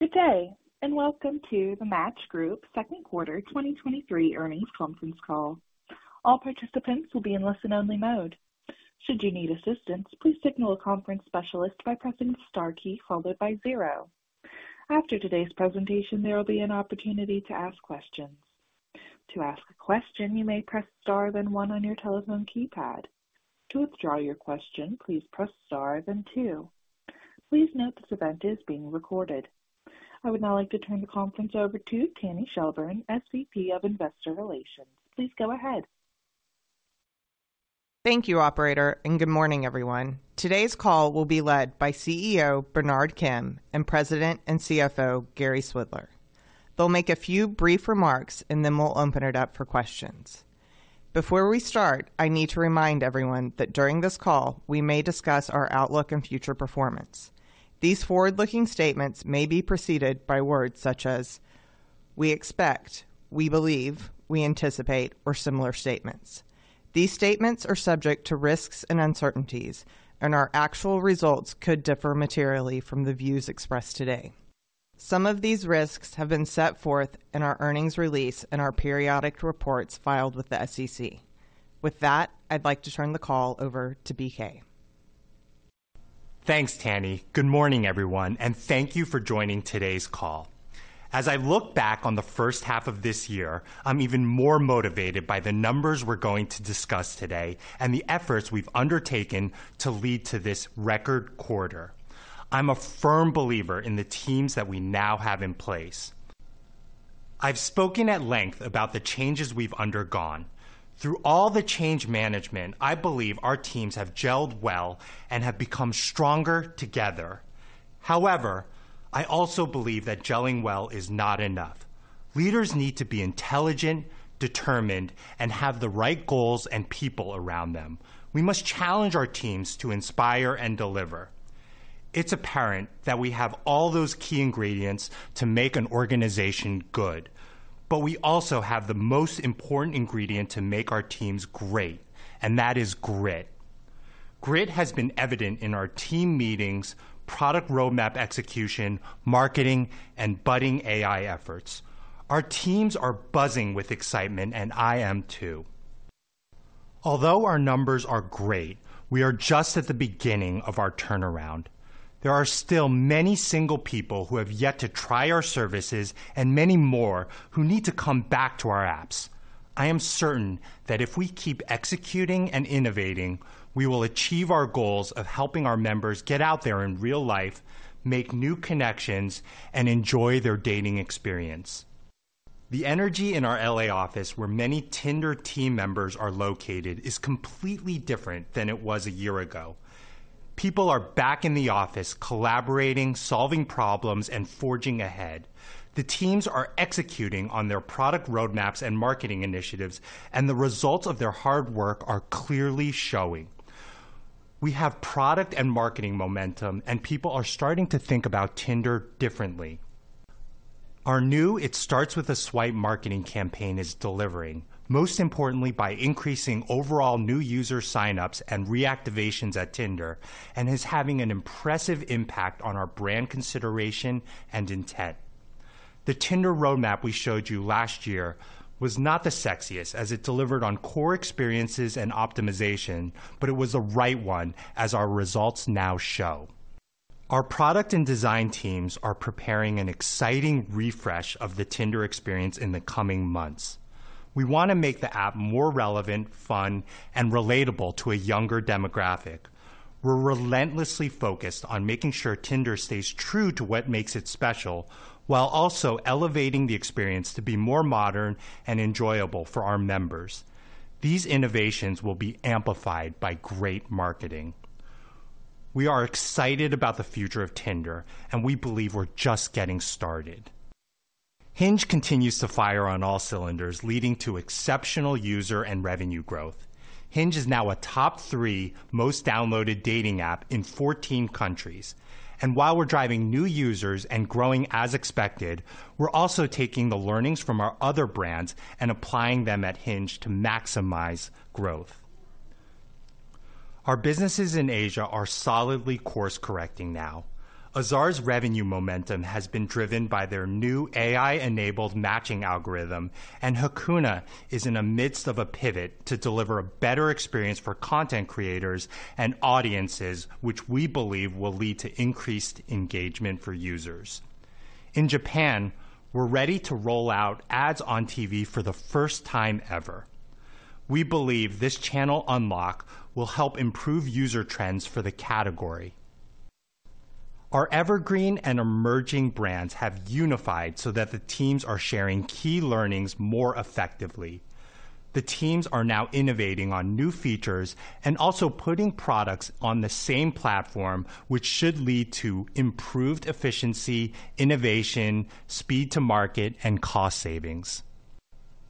Good day, and welcome to The Match Group Q2 2023 Earnings Conference Call. All participants will be in listen-only mode. Should you need assistance, please signal a conference specialist by pressing star key followed by 0. After today's presentation, there will be an opportunity to ask questions. To ask a question, you may press Star, then 1 on your telephone keypad. To withdraw your question, please press Star, then 2. Please note this event is being recorded. I would now like to turn the conference over to Tanny Shelburne, SVP of Investor Relations. Please go ahead. Thank you, operator, and good morning, everyone. Today's call will be led by CEO, Bernard Kim, and President and CFO, Gary Swidler. They'll make a few brief remarks, and then we'll open it up for questions. Before we start, I need to remind everyone that during this call, we may discuss our outlook and future performance. These forward-looking statements may be preceded by words such as: we expect, we believe, we anticipate, or similar statements. These statements are subject to risks and uncertainties, and our actual results could differ materially from the views expressed today. Some of these risks have been set forth in our earnings release and our periodic reports filed with the SEC. With that, I'd like to turn the call over to BK. Thanks, Tanny. Good morning, everyone, and thank you for joining today's call. As I look back on the 1st half of this year, I'm even more motivated by the numbers we're going to discuss today and the efforts we've undertaken to lead to this record quarter. I'm a firm believer in the teams that we now have in place. I've spoken at length about the changes we've undergone. Through all the change management, I believe our teams have gelled well and have become stronger together. However, I also believe that gelling well is not enough. Leaders need to be intelligent, determined, and have the right goals and people around them. We must challenge our teams to inspire and deliver. It's apparent that we have all those key ingredients to make an organization good, but we also have the most important ingredient to make our teams great, and that is grit. Grit has been evident in our team meetings, product roadmap execution, marketing, and budding AI efforts. Our teams are buzzing with excitement, and I am too. Although our numbers are great, we are just at the beginning of our turnaround. There are still many single people who have yet to try our services and many more who need to come back to our apps. I am certain that if we keep executing and innovating, we will achieve our goals of helping our members get out there in real life, make new connections, and enjoy their dating experience. The energy in our L.A. office, where many Tinder team members are located, is completely different than it was a year ago. People are back in the office collaborating, solving problems, and forging ahead. The teams are executing on their product roadmaps and marketing initiatives, and the results of their hard work are clearly showing. We have product and marketing momentum, and people are starting to think about Tinder differently. Our new It Starts with a Swipe marketing campaign is delivering, most importantly, by increasing overall new user sign-ups and reactivations at Tinder, and is having an impressive impact on our brand consideration and intent. The Tinder roadmap we showed you last year was not the sexiest as it delivered on core experiences and optimization, but it was the right one, as our results now show. Our product and design teams are preparing an exciting refresh of the Tinder experience in the coming months. We want to make the app more relevant, fun, and relatable to a younger demographic. We're relentlessly focused on making sure Tinder stays true to what makes it special, while also elevating the experience to be more modern and enjoyable for our members. These innovations will be amplified by great marketing. We are excited about the future of Tinder, and we believe we're just getting started. Hinge continues to fire on all cylinders, leading to exceptional user and revenue growth. Hinge is now a top 3 most downloaded dating app in 14 countries, and while we're driving new users and growing as expected, we're also taking the learnings from our other brands and applying them at Hinge to maximize growth. Our businesses in Asia are solidly course-correcting now. Azar's revenue momentum has been driven by their new AI-enabled matching algorithm, and Hakuna is in the midst of a pivot to deliver a better experience for content creators and audiences, which we believe will lead to increased engagement for users. In Japan, we're ready to roll out ads on TV for the first time ever. We believe this channel unlock will help improve user trends for the category. Our Evergreen & Emerging brands have unified so that the teams are sharing key learnings more effectively. The teams are now innovating on new features and also putting products on the same platform, which should lead to improved efficiency, innovation, speed to market, and cost savings.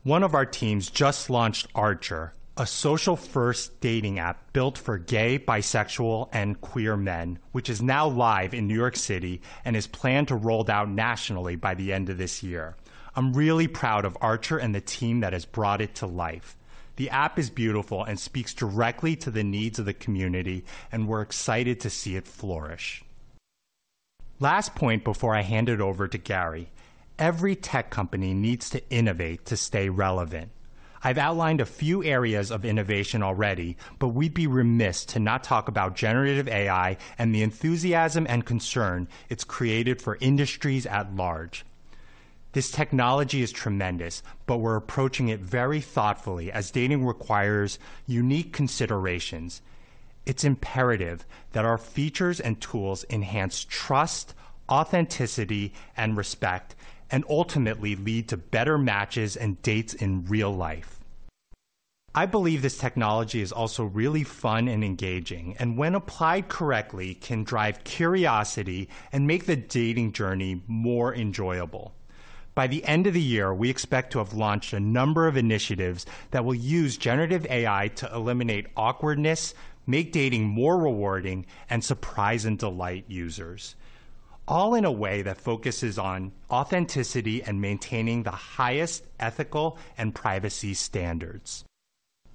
One of our teams just launched Archer, a social-first dating app built for gay, bisexual, and queer men, which is now live in New York City and is planned to roll out nationally by the end of this year. I'm really proud of Archer and the team that has brought it to life. The app is beautiful and speaks directly to the needs of the community, and we're excited to see it flourish. Last point before I hand it over to Gary. Every tech company needs to innovate to stay relevant. I've outlined a few areas of innovation already, but we'd be remiss to not talk about generative AI and the enthusiasm and concern it's created for industries at large. This technology is tremendous, but we're approaching it very thoughtfully, as dating requires unique considerations. It's imperative that our features and tools enhance trust, authenticity, and respect, and ultimately lead to better matches and dates in real life. I believe this technology is also really fun and engaging, and when applied correctly, can drive curiosity and make the dating journey more enjoyable. By the end of the year, we expect to have launched a number of initiatives that will use generative AI to eliminate awkwardness, make dating more rewarding, and surprise and delight users, all in a way that focuses on authenticity and maintaining the highest ethical and privacy standards.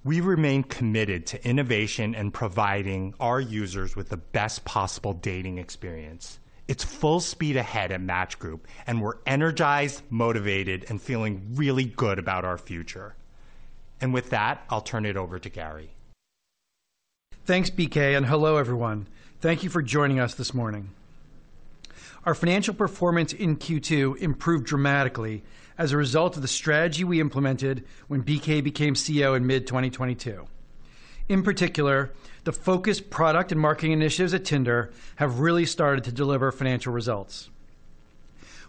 We remain committed to innovation and providing our users with the best possible dating experience. It's full speed ahead at Match Group, and we're energized, motivated, and feeling really good about our future. With that, I'll turn it over to Gary. Thanks, BK, and hello, everyone. Thank you for joining us this morning. Our financial performance in Q2 improved dramatically as a result of the strategy we implemented when BK became CEO in mid-2022. In particular, the focused product and marketing initiatives at Tinder have really started to deliver financial results.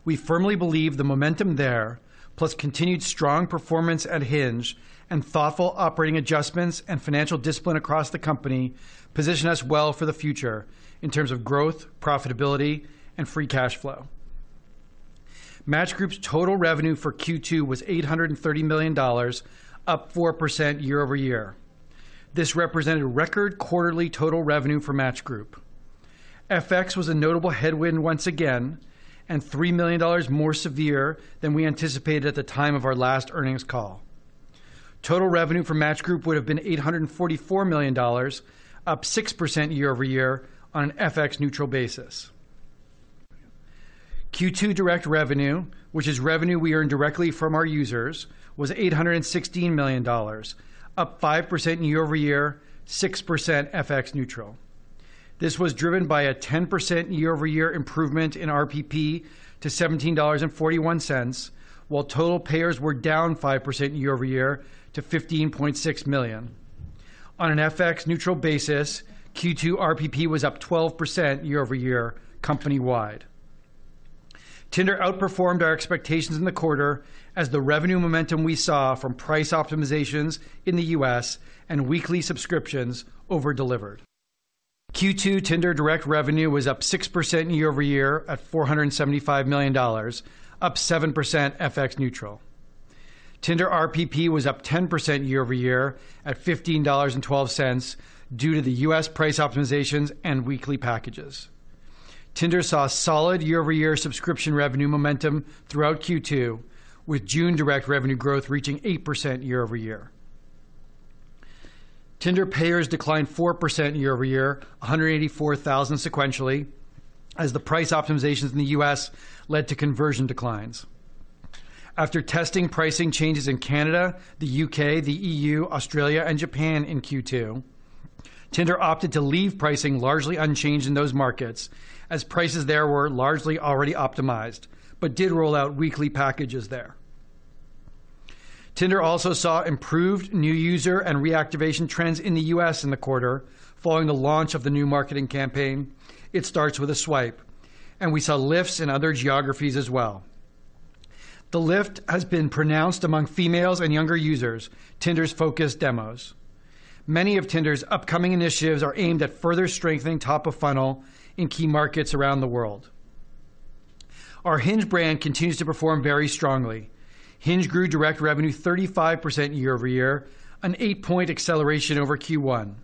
We firmly believe the momentum there, plus continued strong performance at Hinge and thoughtful operating adjustments and financial discipline across the company, position us well for the future in terms of growth, profitability, and free cash flow. Match Group's total revenue for Q2 was $830 million, up 4% year-over-year. This represented a record quarterly total revenue for Match Group. FX was a notable headwind once again, and $3 million more severe than we anticipated at the time of our last earnings call. Total revenue for Match Group would have been $844 million, up 6% year-over-year on an FX neutral basis. Q2 direct revenue, which is revenue we earn directly from our users, was $816 million, up 5% year-over-year, 6% FX neutral. This was driven by a 10% year-over-year improvement in RPP to $17.41, while total payers were down 5% year-over-year to 15.6 million. On an FX neutral basis, Q2 RPP was up 12% year-over-year, company-wide. Tinder outperformed our expectations in the quarter as the revenue momentum we saw from price optimizations in the U.S. and weekly subscriptions over-delivered. Q2 Tinder direct revenue was up 6% year-over-year at $475 million, up 7% FX neutral. Tinder RPP was up 10% year-over-year at $15.12 due to the US price optimizations and weekly packages. Tinder saw solid year-over-year subscription revenue momentum throughout Q2, with June direct revenue growth reaching 8% year-over-year. Tinder payers declined 4% year-over-year, 184,000 sequentially, as the price optimizations in the US led to conversion declines. After testing pricing changes in Canada, the UK, the EU, Australia, and Japan in Q2, Tinder opted to leave pricing largely unchanged in those markets as prices there were largely already optimized, but did roll out weekly packages there. Tinder also saw improved new user and reactivation trends in the US in the quarter, following the launch of the new marketing campaign, "It Starts with a Swipe," we saw lifts in other geographies as well. The lift has been pronounced among females and younger users, Tinder's focus demos. Many of Tinder's upcoming initiatives are aimed at further strengthening top of funnel in key markets around the world. Our Hinge brand continues to perform very strongly. Hinge grew direct revenue 35% year-over-year, an eight-point acceleration over Q1.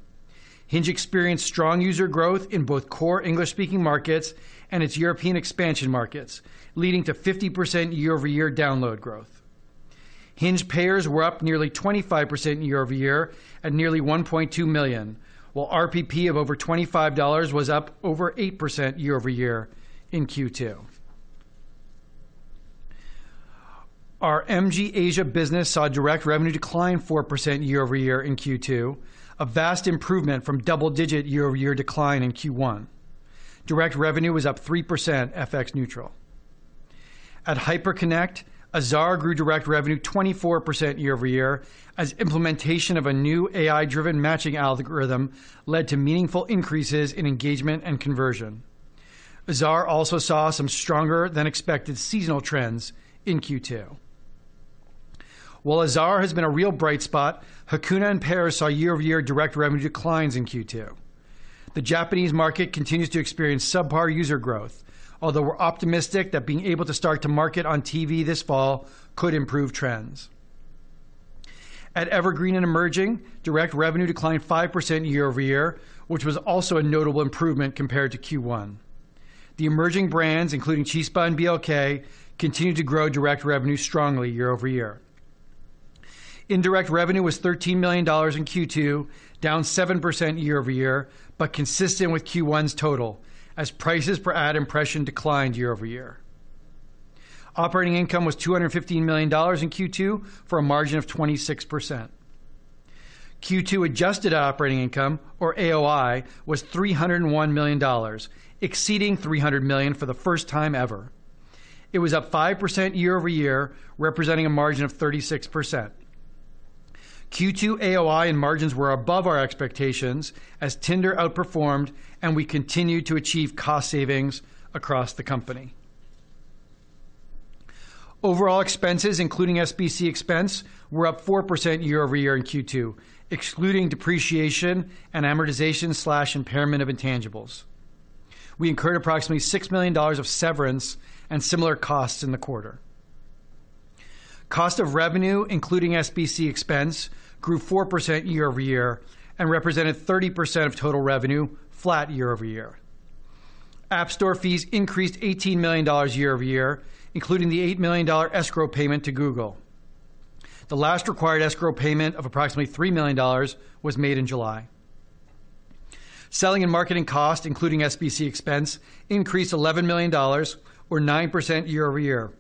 Hinge experienced strong user growth in both core English-speaking markets and its European expansion markets, leading to 50% year-over-year download growth. Hinge payers were up nearly 25% year-over-year at nearly 1.2 million, while RPP of over $25 was up over 8% year-over-year in Q2. Our MG Asia business saw direct revenue decline 4% year-over-year in Q2, a vast improvement from double-digit year-over-year decline in Q1. Direct revenue was up 3%, FX neutral. At Hyperconnect, Azar grew direct revenue 24% year-over-year, as implementation of a new AI-driven matching algorithm led to meaningful increases in engagement and conversion. Azar also saw some stronger than expected seasonal trends in Q2. While Azar has been a real bright spot, Hakuna and Pairs saw year-over-year direct revenue declines in Q2. The Japanese market continues to experience subpar user growth, although we're optimistic that being able to start to market on TV this fall could improve trends. At Evergreen & Emerging, direct revenue declined 5% year-over-year, which was also a notable improvement compared to Q1. The emerging brands, including Chispa and BLK, continued to grow direct revenue strongly year-over-year. Indirect revenue was $13 million in Q2, down 7% year-over-year, but consistent with Q1's total, as prices per ad impression declined year-over-year. Operating income was $215 million in Q2, for a margin of 26%. Q2 adjusted operating income, or AOI, was $301 million, exceeding $300 million for the first time ever. It was up 5% year-over-year, representing a margin of 36%. Q2 AOI and margins were above our expectations as Tinder outperformed, and we continued to achieve cost savings across the company. Overall expenses, including SBC expense, were up 4% year-over-year in Q2, excluding depreciation and amortization/impairment of intangibles. We incurred approximately $6 million of severance and similar costs in the quarter. Cost of revenue, including SBC expense, grew 4% year-over-year and represented 30% of total revenue, flat year-over-year. App Store fees increased $18 million year-over-year, including the $8 million escrow payment to Google. The last required escrow payment of approximately $3 million was made in July. Selling and marketing costs, including SBC expense, increased $11 million or 9% year-over-year,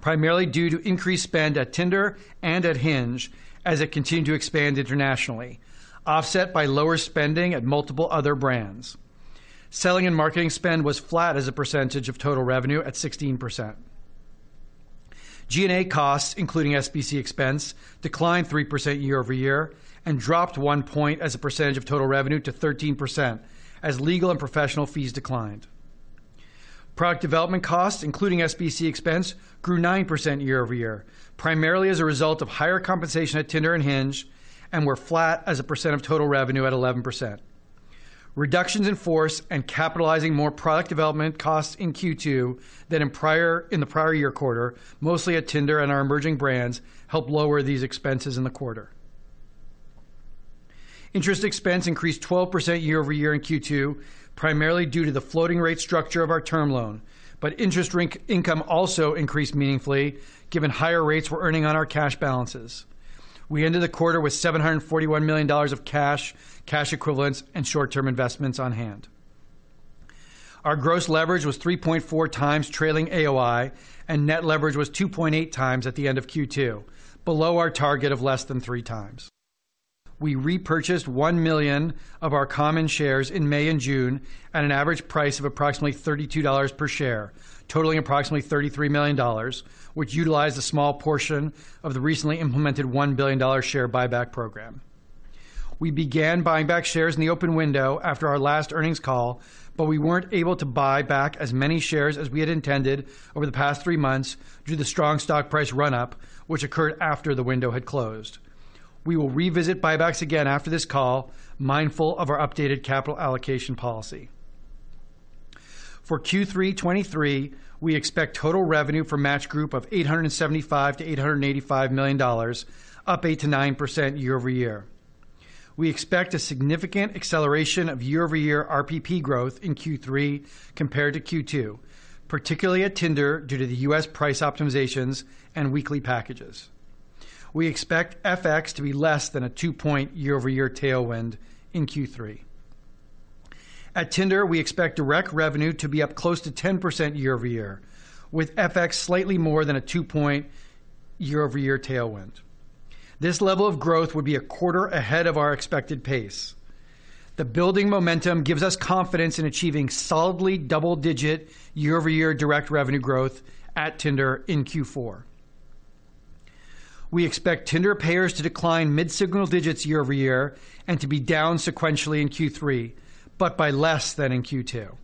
primarily due to increased spend at Tinder and at Hinge as it continued to expand internationally, offset by lower spending at multiple other brands. Selling and marketing spend was flat as a percentage of total revenue at 16%. G&A costs, including SBC expense, declined 3% year-over-year and dropped 1 point as a percentage of total revenue to 13% as legal and professional fees declined. Product development costs, including SBC expense, grew 9% year-over-year, primarily as a result of higher compensation at Tinder and Hinge, and were flat as a percent of total revenue at 11%. Reductions in force and capitalizing more product development costs in Q2 than in the prior year quarter, mostly at Tinder and our emerging brands, helped lower these expenses in the quarter. Interest expense increased 12% year-over-year in Q2, primarily due to the floating rate structure of our term loan, but interest income also increased meaningfully given higher rates we're earning on our cash balances. We ended the quarter with $741 million of cash, cash equivalents, and short-term investments on hand. Our gross leverage was 3.4x trailing AOI, and net leverage was 2.8x at the end of Q2, below our target of less than 3x. We repurchased 1 million of our common shares in May and June at an average price of approximately $32 per share, totaling approximately $33 million, which utilized a small portion of the recently implemented $1 billion share buyback program. We began buying back shares in the open window after our last earnings call, we weren't able to buy back as many shares as we had intended over the past 3 months due to the strong stock price run-up, which occurred after the window had closed. We will revisit buybacks again after this call, mindful of our updated capital allocation policy. For Q3 2023, we expect total revenue for Match Group of $875 million to 885 million, up 8 to 9% year-over-year. We expect a significant acceleration of year-over-year RPP growth in Q3 compared to Q2, particularly at Tinder, due to the US price optimizations and weekly packages. We expect FX to be less than a 2-point year-over-year tailwind in Q3. At Tinder, we expect direct revenue to be up close to 10% year-over-year, with FX slightly more than a 2-point year-over-year tailwind. This level of growth would be a quarter ahead of our expected pace. The building momentum gives us confidence in achieving solidly double-digit year-over-year direct revenue growth at Tinder in Q4. We expect Tinder payers to decline mid-single digits year-over-year and to be down sequentially in Q3, but by less than in Q2.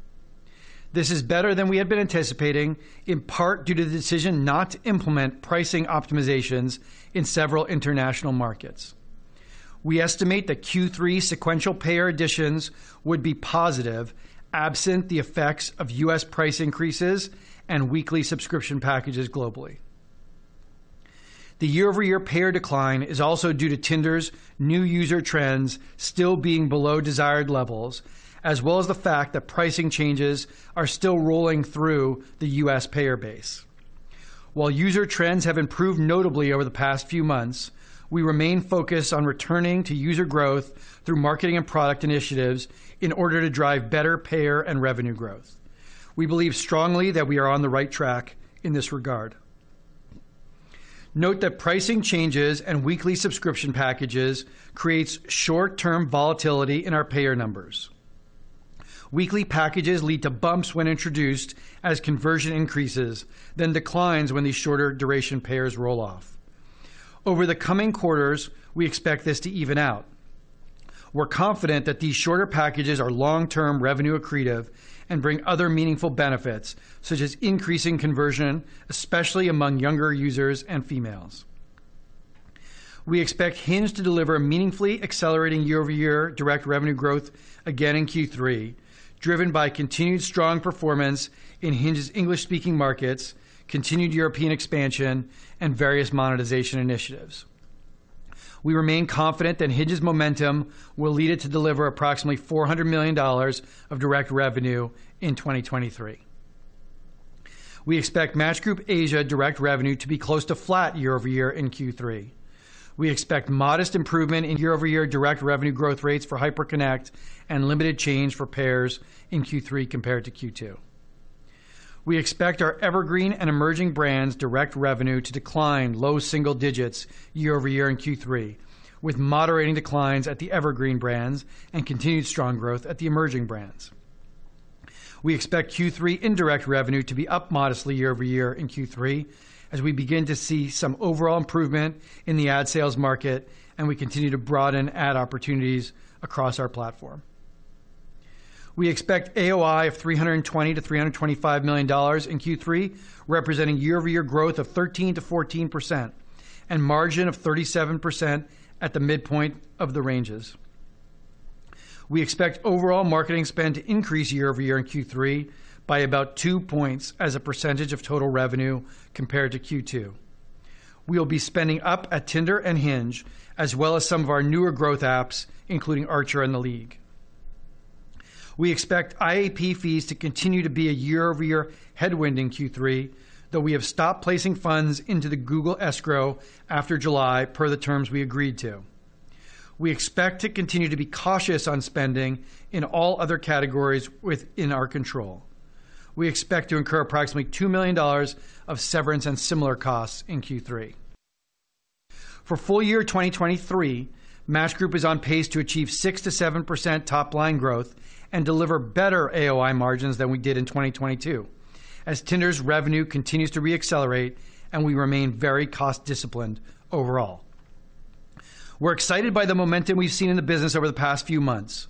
This is better than we had been anticipating, in part due to the decision not to implement pricing optimizations in several international markets. We estimate that Q3 sequential payer additions would be positive, absent the effects of U.S. price increases and weekly subscription packages globally. The year-over-year payer decline is also due to Tinder's new user trends still being below desired levels, as well as the fact that pricing changes are still rolling through the U.S. payer base. While user trends have improved notably over the past few months, we remain focused on returning to user growth through marketing and product initiatives in order to drive better payer and revenue growth. We believe strongly that we are on the right track in this regard. Note that pricing changes and weekly subscription packages creates short-term volatility in our payer numbers. Weekly packages lead to bumps when introduced as conversion increases, then declines when these shorter duration payers roll off. Over the coming quarters, we expect this to even out. We're confident that these shorter packages are long-term revenue accretive and bring other meaningful benefits, such as increasing conversion, especially among younger users and females. We expect Hinge to deliver a meaningfully accelerating year-over-year direct revenue growth again in Q3, driven by continued strong performance in Hinge's English-speaking markets, continued European expansion, and various monetization initiatives. We remain confident that Hinge's momentum will lead it to deliver approximately $400 million of direct revenue in 2023. We expect Match Group Asia direct revenue to be close to flat year-over-year in Q3. We expect modest improvement in year-over-year direct revenue growth rates for Hyperconnect and limited change for payers in Q3 compared to Q2. We expect our Evergreen & Emerging brands direct revenue to decline low single digits year-over-year in Q3, with moderating declines at the evergreen brands and continued strong growth at the emerging brands. We expect Q3 indirect revenue to be up modestly year-over-year in Q3 as we begin to see some overall improvement in the ad sales market, and we continue to broaden ad opportunities across our platform. We expect AOI of $320 million to 325 million in Q3, representing year-over-year growth of 13 to 14% and margin of 37% at the midpoint of the ranges. We expect overall marketing spend to increase year-over-year in Q3 by about 2 points as a percentage of total revenue compared to Q2. We will be spending up at Tinder and Hinge, as well as some of our newer growth apps, including Archer and The League. We expect IAP fees to continue to be a year-over-year headwind in Q3, though we have stopped placing funds into the Google escrow after July, per the terms we agreed to. We expect to continue to be cautious on spending in all other categories within our control. We expect to incur approximately $2 million of severance and similar costs in Q3. For full year 2023, Match Group is on pace to achieve 6 to 7% top line growth and deliver better AOI margins than we did in 2022. As Tinder's revenue continues to reaccelerate and we remain very cost disciplined overall. We're excited by the momentum we've seen in the business over the past few months.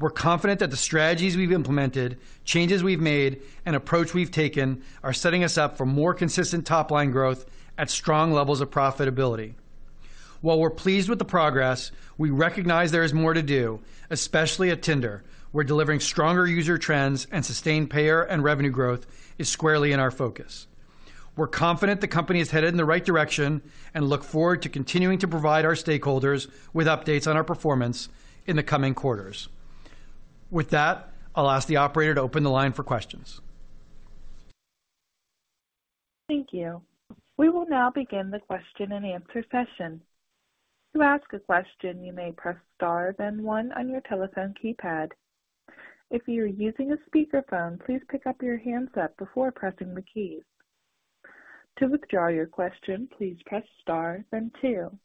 We're confident that the strategies we've implemented, changes we've made, and approach we've taken are setting us up for more consistent top line growth at strong levels of profitability. While we're pleased with the progress, we recognize there is more to do, especially at Tinder, where delivering stronger user trends and sustained payer and revenue growth is squarely in our focus. We're confident the company is headed in the right direction and look forward to continuing to provide our stakeholders with updates on our performance in the coming quarters. With that, I'll ask the operator to open the line for questions. Thank you. We will now begin the question-and-answer session. To ask a question, you may press star, then one on your telephone keypad. If you are using a speakerphone, please pick up your handset before pressing the keys. To withdraw your question, please press star, then two.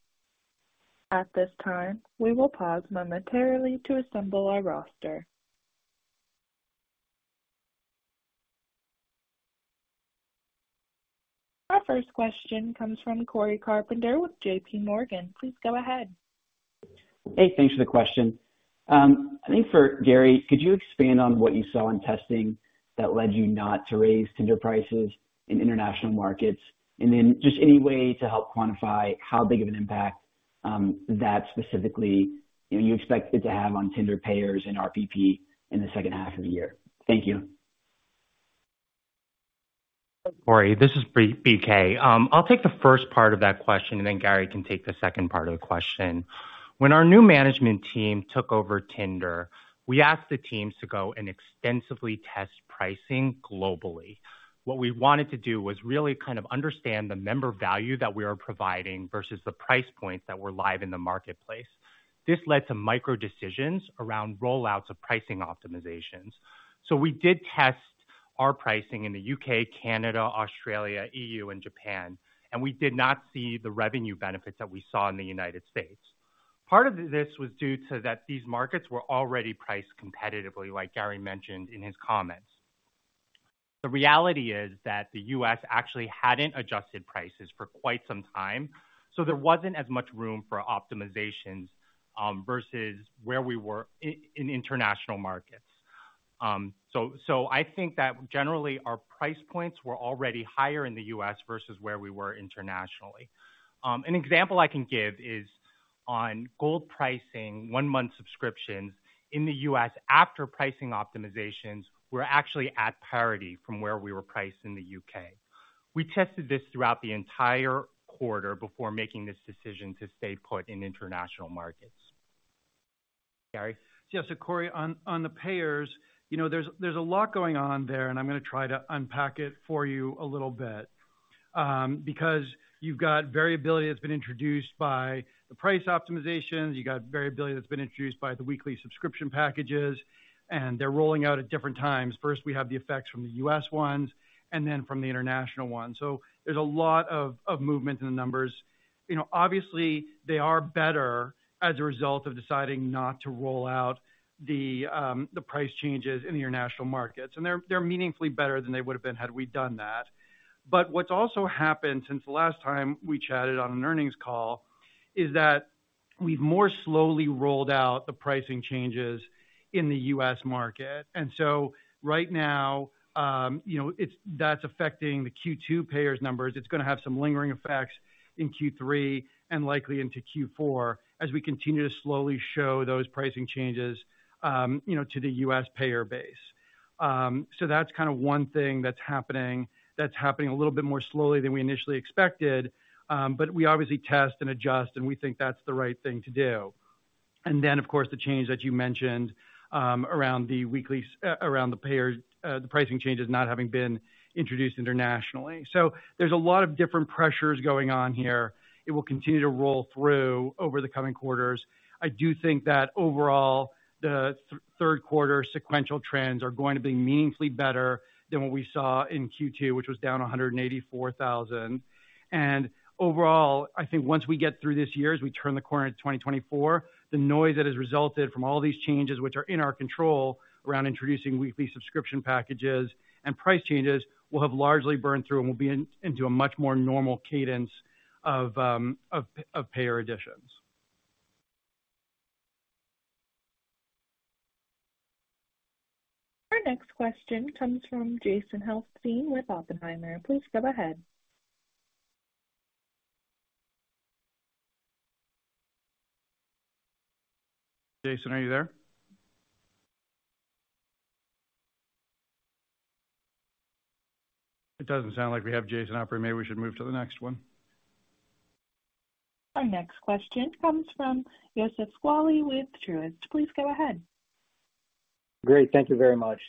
At this time, we will pause momentarily to assemble our roster. Our first question comes from Cory Carpenter with JPMorgan. Please go ahead. Hey, thanks for the question. I think for Gary, could you expand on what you saw in testing that led you not to raise Tinder prices in international markets? Just any way to help quantify how big of an impact, that specifically, you know, you expect it to have on Tinder payers and RPP in the second half of the year. Thank you. Cory, this is BK. I'll take the first part of that question, then Gary can take the second part of the question. When our new management team took over Tinder, we asked the teams to go and extensively test pricing globally. What we wanted to do was really kind of understand the member value that we are providing versus the price points that were live in the marketplace. This led to micro decisions around rollouts of pricing optimizations. We did test our pricing in the U.K., Canada, Australia, E.U., and Japan, and we did not see the revenue benefits that we saw in the U.S. Part of this was due to that these markets were already priced competitively, like Gary mentioned in his comments. The reality is that the US actually hadn't adjusted prices for quite some time, so there wasn't as much room for optimizations, versus where we were in international markets. I think that generally our price points were already higher in the US versus where we were internationally. An example I can give is on gold pricing, one-month subscriptions in the US after pricing optimizations were actually at parity from where we were priced in the UK. We tested this throughout the entire quarter before making this decision to stay put in international markets. Gary? Yeah, so Cory, on, on the payers, you know, there's, there's a lot going on there, and I'm going to try to unpack it for you a little bit. Because you've got variability that's been introduced by the price optimizations, you've got variability that's been introduced by the weekly subscription packages, and they're rolling out at different times. First, we have the effects from the U.S. ones and then from the international ones. There's a lot of, of movement in the numbers. You know, obviously, they are better as a result of deciding not to roll out the, the price changes in the international markets, and they're, they're meaningfully better than they would have been had we done that. What's also happened since the last time we chatted on an earnings call is that we've more slowly rolled out the pricing changes in the U.S. market. Right now, you know, that's affecting the Q2 payers numbers. It's going to have some lingering effects in Q3 and likely into Q4 as we continue to slowly show those pricing changes, you know, to the US payer base. That's kind of one thing that's happening, that's happening a little bit more slowly than we initially expected, but we obviously test and adjust, and we think that's the right thing to do. The change that you mentioned, around the weekly, around the payer, the pricing changes not having been introduced internationally. There's a lot of different pressures going on here. It will continue to roll through over the coming quarters. I do think that overall, the Q3 sequential trends are going to be meaningfully better than what we saw in Q2, which was down 184,000. Overall, I think once we get through this year, as we turn the corner into 2024, the noise that has resulted from all these changes, which are in our control, around introducing weekly subscription packages and price changes, will have largely burned through and will be in, into a much more normal cadence of, of, of payer additions. Our next question comes from Jason Helfstein with Oppenheimer. Please go ahead. Jason, are you there? It doesn't sound like we have Jason operating. Maybe we should move to the next one. Our next question comes from Youssef Squali with Truist. Please go ahead. Great, thank you very much.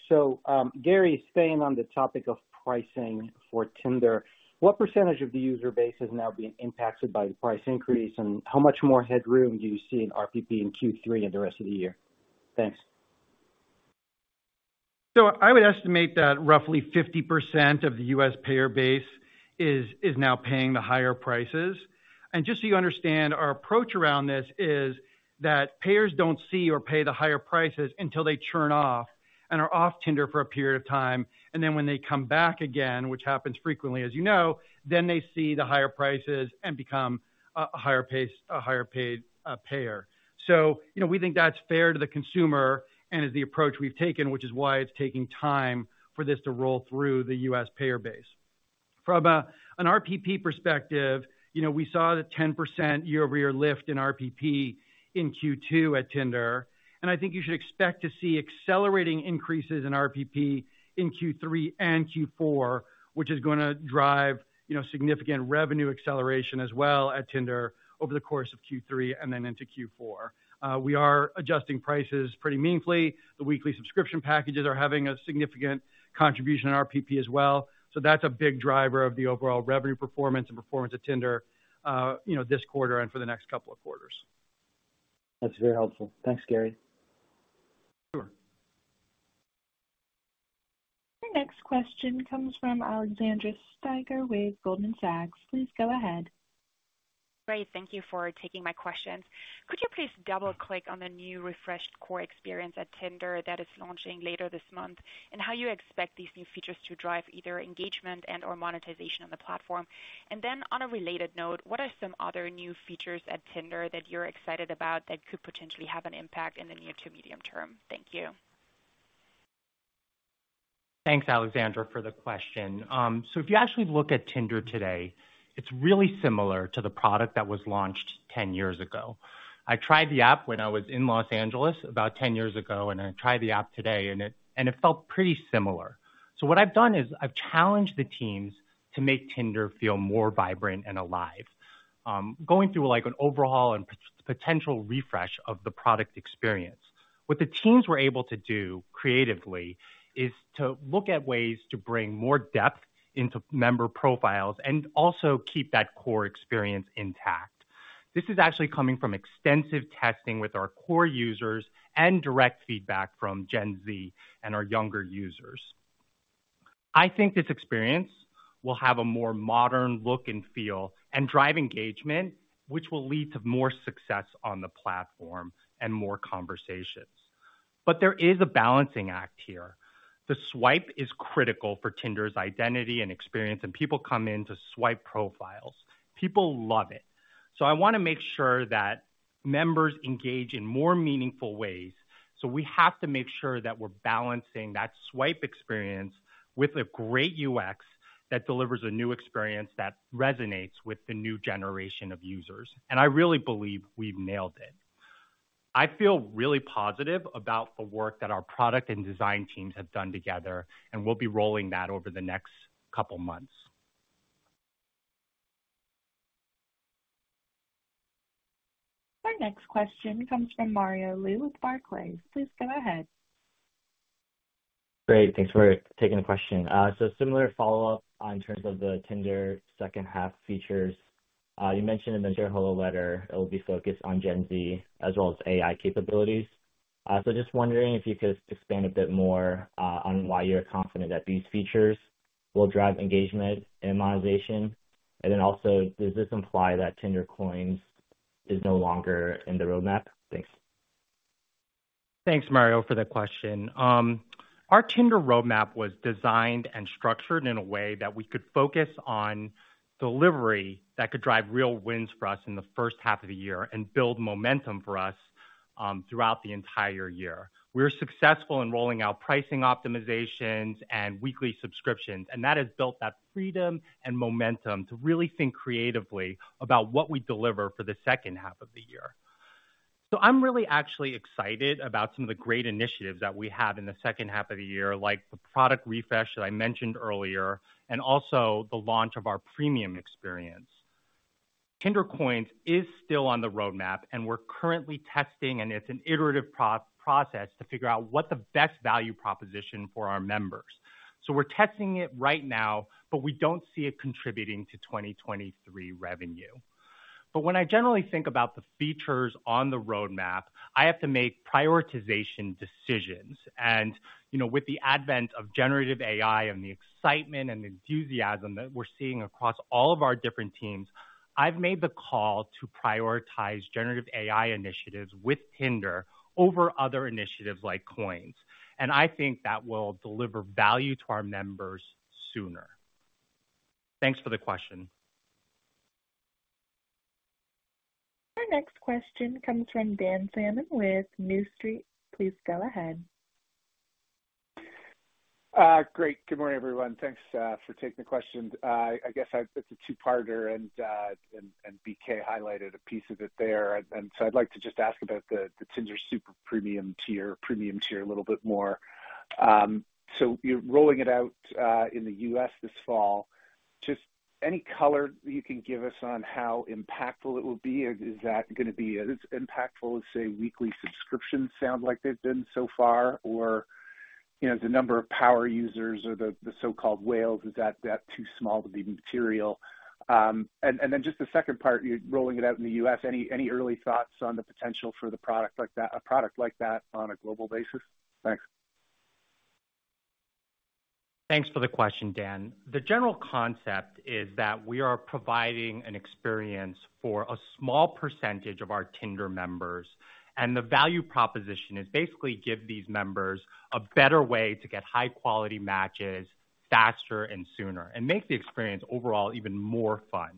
Gary, staying on the topic of pricing for Tinder, what % of the user base is now being impacted by the price increase, and how much more headroom do you see in RPP in Q3 and the rest of the year? Thanks. I would estimate that roughly 50% of the U.S. payer base is now paying the higher prices. Just so you understand, our approach around this is that payers don't see or pay the higher prices until they churn off and are off Tinder for a period of time. Then when they come back again, which happens frequently, as you know, then they see the higher prices and become a higher pace, a higher paid payer. You know, we think that's fair to the consumer and is the approach we've taken, which is why it's taking time for this to roll through the U.S. payer base. From an RPP perspective, you know, we saw the 10% year-over-year lift in RPP in Q2 at Tinder, and I think you should expect to see accelerating increases in RPP in Q3 and Q4, which is going to drive, you know, significant revenue acceleration as well at Tinder over the course of Q3 and then into Q4. We are adjusting prices pretty meaningfully. The weekly subscription packages are having a significant contribution in RPP as well. That's a big driver of the overall revenue performance and performance of Tinder, you know, this quarter and for the next couple of quarters. That's very helpful. Thanks, Gary. Sure. The next question comes from Alexandra Steiger with Goldman Sachs. Please go ahead. Great, thank you for taking my questions. Could you please double-click on the new refreshed core experience at Tinder that is launching later this month, and how you expect these new features to drive either engagement and/or monetization on the platform. Then on a related note, what are some other new features at Tinder that you're excited about that could potentially have an impact in the near to medium term? Thank you. Thanks, Alexandra, for the question. if you actually look at Tinder today, it's really similar to the product that was launched 10 years ago. I tried the app when I was in Los Angeles about 10 years ago, and I tried the app today and it, and it felt pretty similar. what I've done is I've challenged the teams to make Tinder feel more vibrant and alive. going through, like, an overall and potential refresh of the product experience. What the teams were able to do creatively is to look at ways to bring more depth into member profiles and also keep that core experience intact. This is actually coming from extensive testing with our core users and direct feedback from Gen Z and our younger users. I think this experience will have a more modern look and feel and drive engagement, which will lead to more success on the platform and more conversations. There is a balancing act here. The swipe is critical for Tinder's identity and experience, and people come in to swipe profiles. People love it. I want to make sure that members engage in more meaningful ways. We have to make sure that we're balancing that swipe experience with a great UX that delivers a new experience that resonates with the new generation of users. I really believe we've nailed it. I feel really positive about the work that our product and design teams have done together, and we'll be rolling that over the next couple months. Our next question comes from Mario Lu with Barclays. Please go ahead. Great, thanks for taking the question. Similar follow-up on terms of the Tinder second half features. You mentioned in the shareholder letter, it will be focused on Gen Z as well as AI capabilities. Just wondering if you could expand a bit more, on why you're confident that these features will drive engagement and monetization? Then also, does this imply that Tinder Coins is no longer in the roadmap? Thanks. Thanks, Mario, for the question. Our Tinder roadmap was designed and structured in a way that we could focus on delivery that could drive real wins for us in the first half of the year and build momentum for us throughout the entire year. We're successful in rolling out pricing optimizations and weekly subscriptions, and that has built that freedom and momentum to really think creatively about what we deliver for the second half of the year. I'm really actually excited about some of the great initiatives that we have in the second half of the year, like the product refresh that I mentioned earlier, and also the launch of our premium experience. Tinder Coins is still on the roadmap, and we're currently testing, and it's an iterative process to figure out what the best value proposition for our members. We're testing it right now, but we don't see it contributing to 2023 revenue. When I generally think about the features on the roadmap, I have to make prioritization decisions. You know, with the advent of generative AI and the excitement and enthusiasm that we're seeing across all of our different teams, I've made the call to prioritize generative AI initiatives with Tinder over other initiatives like Coins. I think that will deliver value to our members sooner. Thanks for the question. Our next question comes from Dan Salmon with New Street. Please go ahead. Great. Good morning, everyone. Thanks for taking the questions. I guess I've-- it's a two-parter, and BK highlighted a piece of it there. So I'd like to just ask about the Tinder Super Premium tier, Premium tier a little bit more. So you're rolling it out in the U.S. this fall. Just any color you can give us on how impactful it will be? Is that going to be as impactful as, say, weekly subscriptions sound like they've been so far? Or, you know, the number of power users or the so-called whales, is that too small to be material? Then just the second part, you're rolling it out in the U.S. Any early thoughts on the potential for the product like that-- a product like that on a global basis? Thanks. Thanks for the question, Dan. The general concept is that we are providing an experience for a small percentage of our Tinder members, and the value proposition is basically give these members a better way to get high-quality matches faster and sooner and make the experience overall even more fun.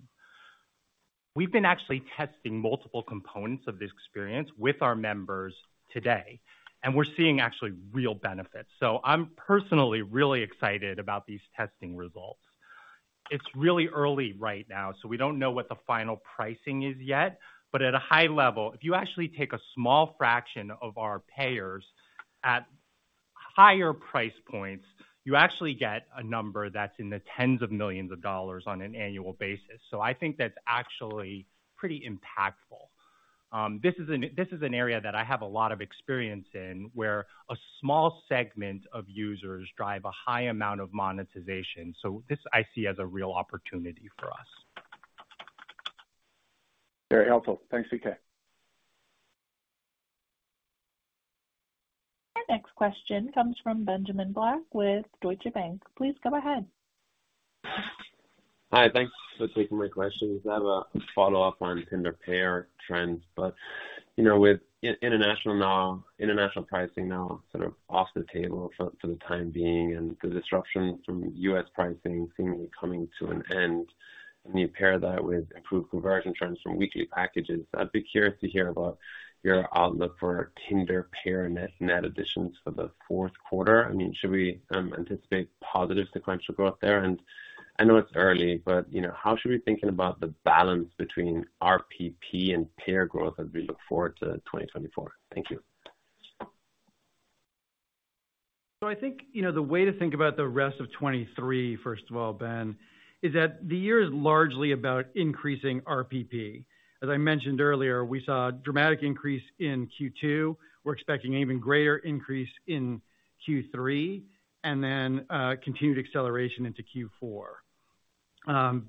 We've been actually testing multiple components of this experience with our members today, and we're seeing actually real benefits. I'm personally really excited about these testing results. It's really early right now, so we don't know what the final pricing is yet, but at a high level, if you actually take a small fraction of our payers at higher price points, you actually get a number that's in the tens of millions of dollars on an annual basis. I think that's actually pretty impactful. This is an area that I have a lot of experience in, where a small segment of users drive a high amount of monetization. This I see as a real opportunity for us. Very helpful. Thanks, B.K. Our next question comes from Benjamin Black with Deutsche Bank. Please go ahead. Hi, thanks for taking my questions. I have a follow-up on Tinder pair trends, but, you know, with international pricing now sort of off the table for the time being and the disruption from US pricing seemingly coming to an end, and you pair that with improved conversion trends from weekly packages, I'd be curious to hear about your outlook for Tinder pair net, net additions for the Q4. I mean, should we anticipate positive sequential growth there? And I know it's early, but, you know, how should we be thinking about the balance between RPP and pair growth as we look forward to 2024? Thank you. I think, you know, the way to think about the rest of 2023, first of all, Ben, is that the year is largely about increasing RPP. As I mentioned earlier, we saw a dramatic increase in Q2. We're expecting an even greater increase in Q3, and then continued acceleration into Q4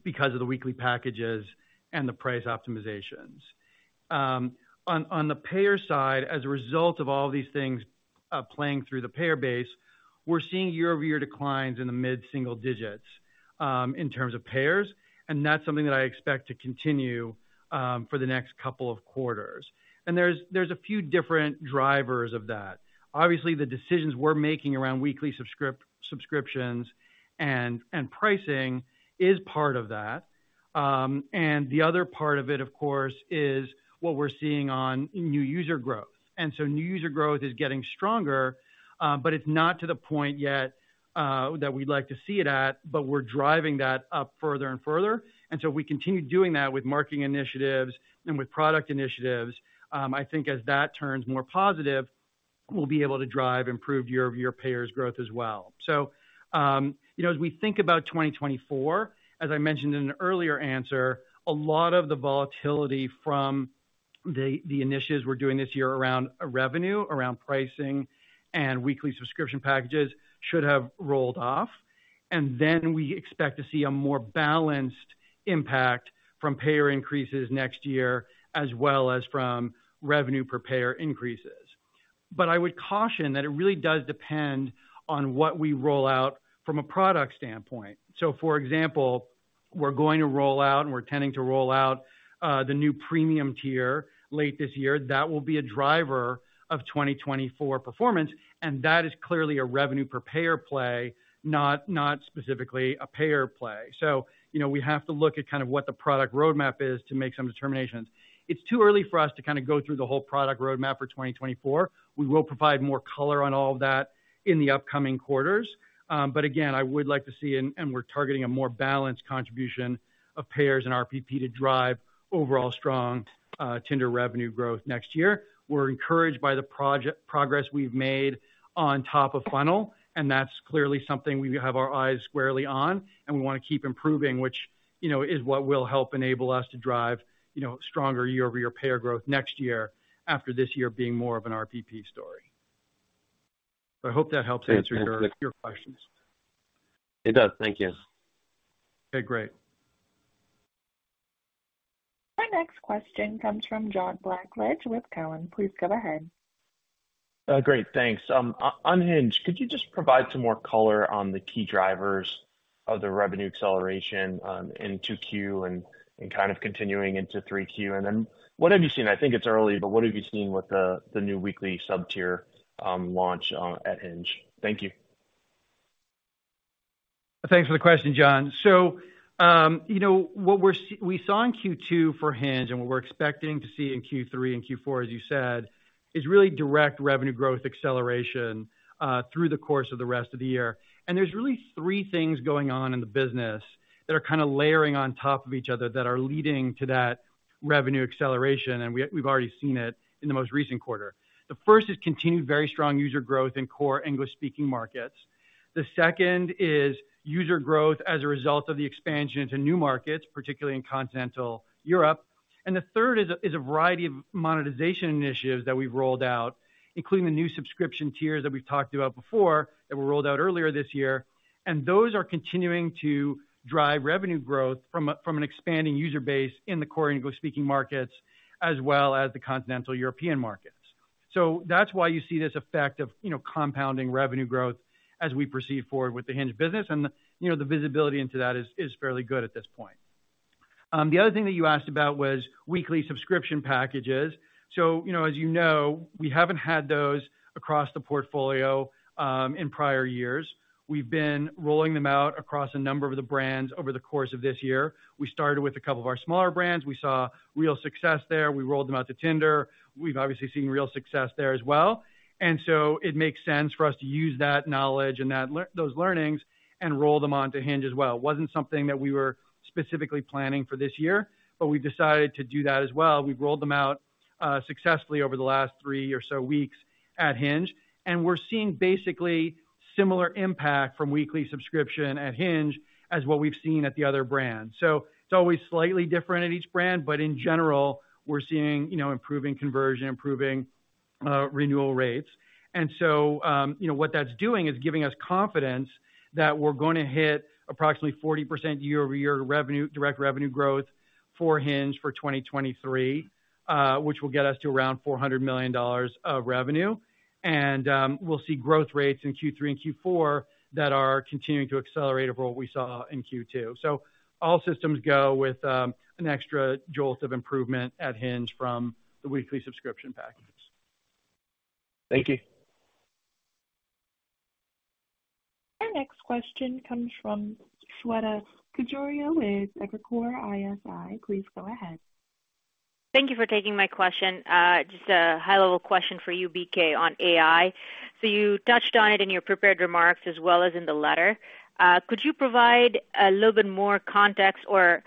because of the weekly packages and the price optimizations. On, on the payer side, as a result of all these things, playing through the payer base, we're seeing year-over-year declines in the mid-single digits in terms of payers, and that's something that I expect to continue for the next 2 quarters. There's, there's a few different drivers of that. Obviously, the decisions we're making around weekly subscriptions and, and pricing is part of that. The other part of it, of course, is what we're seeing on new user growth. New user growth is getting stronger, but it's not to the point yet that we'd like to see it at, but we're driving that up further and further. We continue doing that with marketing initiatives and with product initiatives. I think as that turns more positive, we'll be able to drive improved year-over-year payers growth as well. You know, as we think about 2024, as I mentioned in an earlier answer, a lot of the volatility from the initiatives we're doing this year around revenue, around pricing and weekly subscription packages should have rolled off. We expect to see a more balanced impact from payer increases next year, as well as from revenue per payer increases. I would caution that it really does depend on what we roll out from a product standpoint. For example, we're going to roll out and we're tending to roll out the new premium tier late this year. That will be a driver of 2024 performance, and that is clearly a revenue per payer play, not specifically a payer play. You know, we have to look at kind of what the product roadmap is to make some determinations. It's too early for us to kind of go through the whole product roadmap for 2024. We will provide more color on all of that in the upcoming quarters. Again, I would like to see, and we're targeting a more balanced contribution of payers and RPP to drive overall strong Tinder revenue growth next year. We're encouraged by the progress we've made on top of funnel, and that's clearly something we have our eyes squarely on, and we want to keep improving, which, you know, is what will help enable us to drive, you know, stronger year-over-year payer growth next year after this year being more of an RPP story. So I hope that helps answer your, your questions. It does. Thank you. Okay, great. Our next question comes from John Blackledge with Cowen. Please go ahead. Great, thanks. On Hinge, could you just provide some more color on the key drivers of the revenue acceleration in 2Q and kind of continuing into 3Q? Then what have you seen? I think it's early, but what have you seen with the new weekly sub-tier launch at Hinge? Thank you. Thanks for the question, John. You know, what we saw in Q2 for Hinge and what we're expecting to see in Q3 and Q4, as you said, is really direct revenue growth acceleration through the course of the rest of the year. There's really three things going on in the business that are kind of layering on top of each other that are leading to that revenue acceleration, and we've already seen it in the most recent quarter. The first is continued very strong user growth in core English-speaking markets. The second is user growth as a result of the expansion into new markets, particularly in continental Europe. The third is a variety of monetization initiatives that we've rolled out, including the new subscription tiers that we've talked about before, that were rolled out earlier this year. Those are continuing to drive revenue growth from an expanding user base in the core English-speaking markets, as well as the continental European markets. That's why you see this effect of, you know, compounding revenue growth as we proceed forward with the Hinge business. You know, the visibility into that is fairly good at this point. The other thing that you asked about was weekly subscription packages. You know, as you know, we haven't had those across the portfolio in prior years. We've been rolling them out across a number of the brands over the course of this year. We started with a couple of our smaller brands. We saw real success there. We rolled them out to Tinder. We've obviously seen real success there as well. It makes sense for us to use that knowledge and those learnings and roll them on to Hinge as well. Wasn't something that we were specifically planning for this year, but we decided to do that as well. We've rolled them out successfully over the last three or so weeks at Hinge, and we're seeing basically similar impact from weekly subscription at Hinge as what we've seen at the other brands. It's always slightly different at each brand, but in general, we're seeing, you know, improving conversion, improving renewal rates. You know, what that's doing is giving us confidence that we're going to hit approximately 40% year-over-year revenue, direct revenue growth for Hinge for 2023, which will get us to around $400 million of revenue. We'll see growth rates in Q3 and Q4 that are continuing to accelerate over what we saw in Q2. All systems go with an extra jolt of improvement at Hinge from the weekly subscription packages. Thank you. Our next question comes from Shweta Khajuria with Evercore ISI. Please go ahead. Thank you for taking my question. Just a high-level question for you, BK, on AI. You touched on it in your prepared remarks as well as in the letter. Could you provide a little bit more context or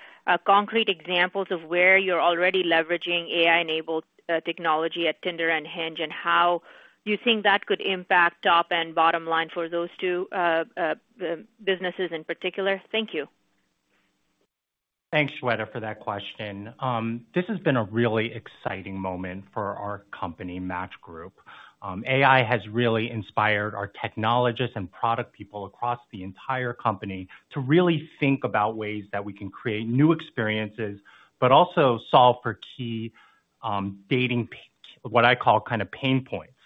concrete examples of where you're already leveraging AI-enabled technology at Tinder and Hinge, and how you think that could impact top and bottom line for those two businesses in particular? Thank you. Thanks, Shweta, for that question. This has been a really exciting moment for our company, Match Group. AI has really inspired our technologists and product people across the entire company to really think about ways that we can create new experiences, but also solve for key, What I call kind of pain points.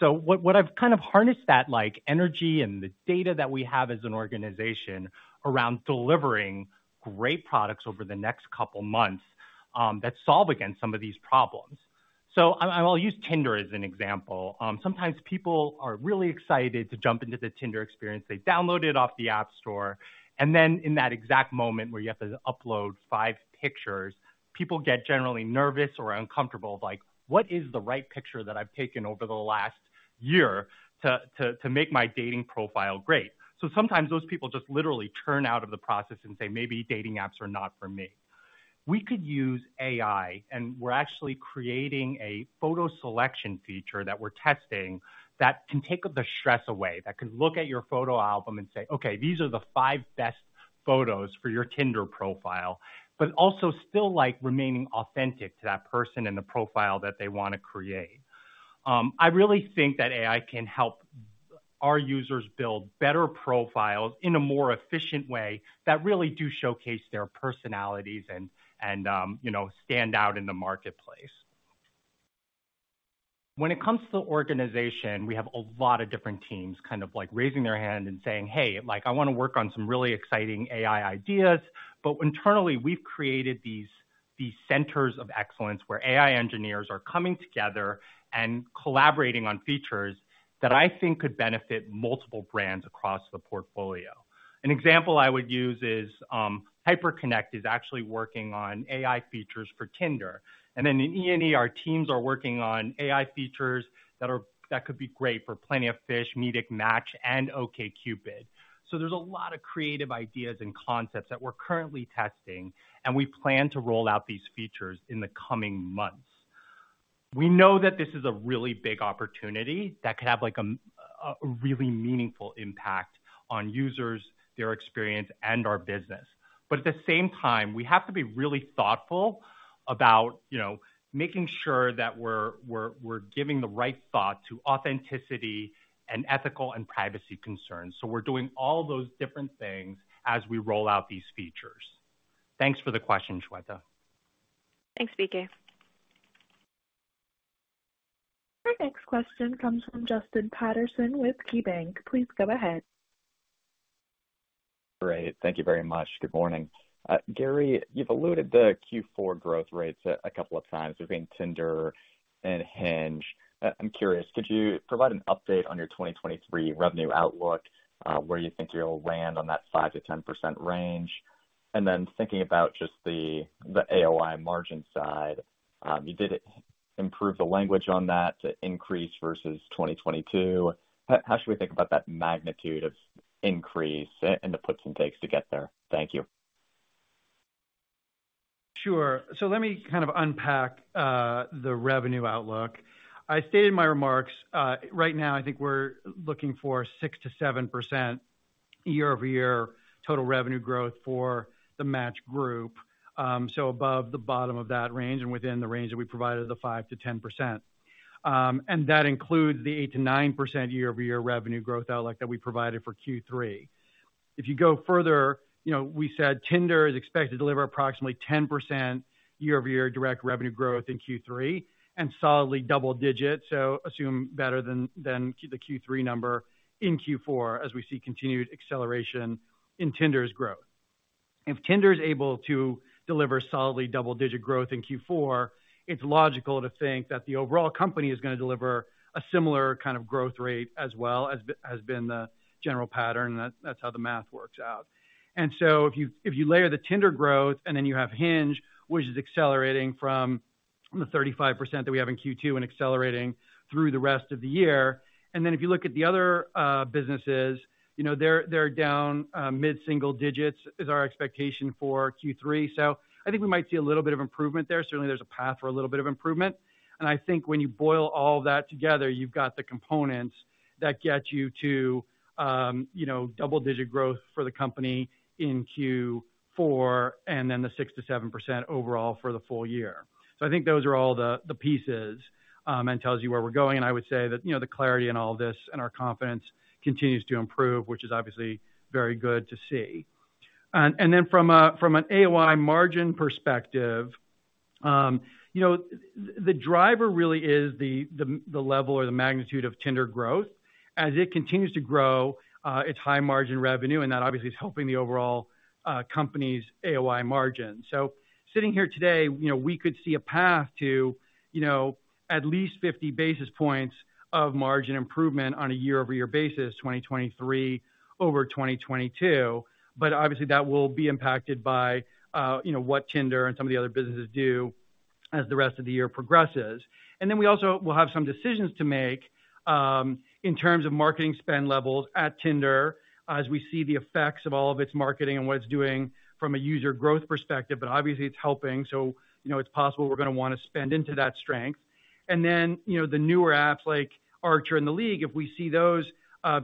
What I've kind of harnessed that, like, energy and the data that we have as an organization around delivering great products over the next couple months, that solve against some of these problems. I will use Tinder as an example. Sometimes people are really excited to jump into the Tinder experience. They download it off the App Store. Then in that exact moment where you have to upload five pictures, people get generally nervous or uncomfortable, like, "What is the right picture that I've taken over the last year to make my dating profile great?" Sometimes those people just literally turn out of the process and say, "Maybe dating apps are not for me." We could use AI. We're actually creating a photo selection feature that we're testing, that can take the stress away, that could look at your photo album and say, "Okay, these are the five best photos for your Tinder profile," but also still, like, remaining authentic to that person and the profile that they want to create. I really think that AI can help our users build better profiles in a more efficient way that really do showcase their personalities and, and, you know, stand out in the marketplace. When it comes to organization, we have a lot of different teams kind of like, raising their hand and saying, "Hey, like, I want to work on some really exciting AI ideas." Internally, we've created these, these centers of excellence where AI engineers are coming together and collaborating on features that I think could benefit multiple brands across the portfolio. An example I would use is, Hyperconnect is actually working on AI features for Tinder, and then in E&E, our teams are working on AI features that could be great for Plenty of Fish, Meetic, Match, and OkCupid. There's a lot of creative ideas and concepts that we're currently testing, and we plan to roll out these features in the coming months. We know that this is a really big opportunity that could have, like, a really meaningful impact on users, their experience, and our business. At the same time, we have to be really thoughtful about, you know, making sure that we're giving the right thought to authenticity and ethical and privacy concerns. We're doing all those different things as we roll out these features. Thanks for the question, Shweta. Thanks, BK. Our next question comes from Justin Patterson with KeyBank. Please go ahead. Great. Thank you very much. Good morning. Gary, you've alluded the Q4 growth rates a couple of times between Tinder and Hinge. I'm curious, could you provide an update on your 2023 revenue outlook, where you think you'll land on that 5 to 10% range? Thinking about just the AOI margin side, you did improve the language on that to increase versus 2022. How should we think about that magnitude of increase and the puts and takes to get there? Thank you. Sure. Let me kind of unpack the revenue outlook. I stated in my remarks, right now I think we're looking for 6 to 7% year-over-year total revenue growth for the Match Group. Above the bottom of that range and within the range that we provided, the 5 to 10%. That includes the 8 to 9% year-over-year revenue growth outlook that we provided for Q3. If you go further, you know, we said Tinder is expected to deliver approximately 10% year-over-year direct revenue growth in Q3 and solidly double digits, so assume better than, than the Q3 number in Q4, as we see continued acceleration in Tinder's growth. If Tinder is able to deliver solidly double-digit growth in Q4, it's logical to think that the overall company is gonna deliver a similar kind of growth rate as well, as has been the general pattern. That's, that's how the math works out. If you, if you layer the Tinder growth and then you have Hinge, which is accelerating from, from the 35% that we have in Q2 and accelerating through the rest of the year. Then if you look at the other businesses, you know, they're, they're down mid-single digits is our expectation for Q3. I think we might see a little bit of improvement there. Certainly, there's a path for a little bit of improvement, and I think when you boil all that together, you've got the components that get you to double-digit growth for the company in Q4, and then the 6 to 7% overall for the full year. I think those are all the, the pieces, and tells you where we're going. I would say that the clarity in all this and our confidence continues to improve, which is obviously very good to see. Then from a, from an AOI margin perspective, the driver really is the, the, the level or the magnitude of Tinder growth. As it continues to grow, its high margin revenue, and that obviously is helping the overall company's AOI margin. Sitting here today, you know, we could see a path to, you know, at least 50 basis points of margin improvement on a year-over-year basis, 2023 over 2022. Obviously, that will be impacted by, you know, what Tinder and some of the other businesses do as the rest of the year progresses. Then we also will have some decisions to make, in terms of marketing spend levels at Tinder as we see the effects of all of its marketing and what it's doing from a user growth perspective. Obviously, it's helping, so you know, it's possible we're gonna wanna spend into that strength. You know, the newer apps like Archer and The League, if we see those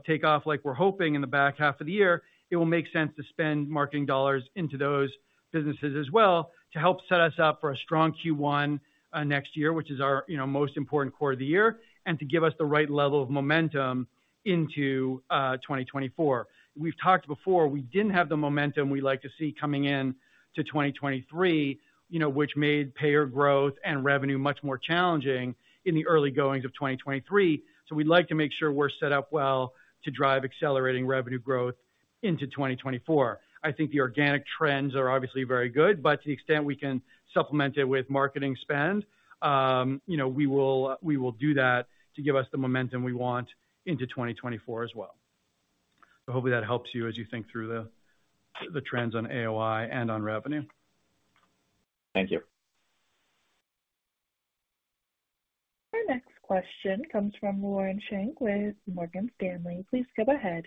take off, like we're hoping in the back half of the year, it will make sense to spend marketing dollars into those businesses as well to help set us up for a strong Q1 next year, which is our, you know, most important core of the year, and to give us the right level of momentum into 2024. We've talked before, we didn't have the momentum we like to see coming in to 2023, you know, which made payer growth and revenue much more challenging in the early goings of 2023. We'd like to make sure we're set up well to drive accelerating revenue growth into 2024. I think the organic trends are obviously very good, but to the extent we can supplement it with marketing spend, you know, we will, we will do that to give us the momentum we want into 2024 as well. Hopefully that helps you as you think through the, the trends on AOI and on revenue. Thank you. Our next question comes from Lauren Shank with Morgan Stanley. Please go ahead.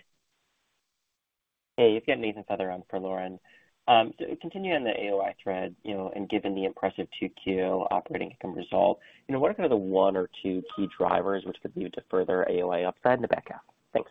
Hey, you've got Nathaniel Feather for Lauren. To continue on the AOI thread, you know, and given the impressive 2Q operating income results, you know, what are kind of the one or two key drivers which could lead to further AOI upside in the back half? Thanks.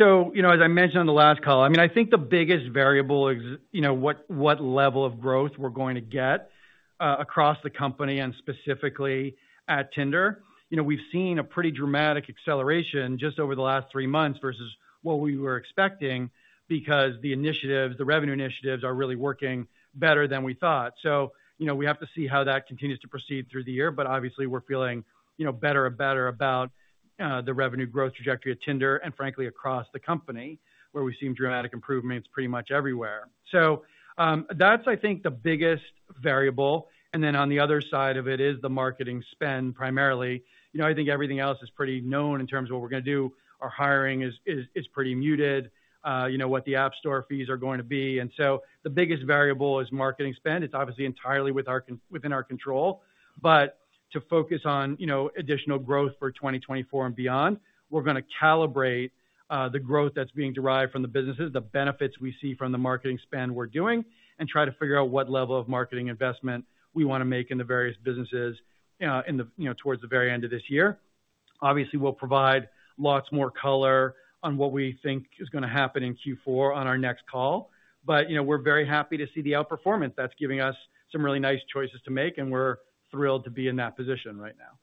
You know, as I mentioned on the last call, I mean, I think the biggest variable is, you know, what, what level of growth we're going to get across the company and specifically at Tinder. You know, we've seen a pretty dramatic acceleration just over the last three months versus what we were expecting, because the initiatives, the revenue initiatives, are really working better than we thought. You know, we have to see how that continues to proceed through the year. But obviously, we're feeling, you know, better and better about the revenue growth trajectory of Tinder and frankly, across the company, where we've seen dramatic improvements pretty much everywhere. That's, I think, the biggest variable. And then on the other side of it is the marketing spend, primarily. You know, I think everything else is pretty known in terms of what we're gonna do. Our hiring is, is, is pretty muted, you know, what the App Store fees are going to be. So the biggest variable is marketing spend. It's obviously entirely within our control, but to focus on, you know, additional growth for 2024 and beyond, we're gonna calibrate, the growth that's being derived from the businesses, the benefits we see from the marketing spend we're doing, and try to figure out what level of marketing investment we wanna make in the various businesses, in the, you know, towards the very end of this year. Obviously, we'll provide lots more color on what we think is gonna happen in Q4 on our next call, but, you know, we're very happy to see the outperformance that's giving us some really nice choices to make, and we're thrilled to be in that position right now.